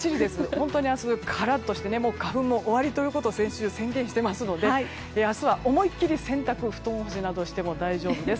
本当に明日、カラッとして花粉も終わりということを先週、宣言していますので明日は思いっきり洗濯、布団干しなどをしても大丈夫です。